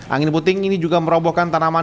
angin puting ini juga merobohkan tanaman